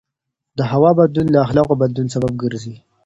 د هوا بدلون د اخلاقو د بدلون سبب ګرځي.